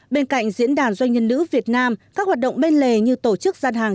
bên cạnh diễn đàn doanh nhân nữ việt nam các hoạt động bên lề như tổ chức gian hàng